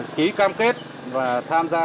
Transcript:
ký cam kết và tham gia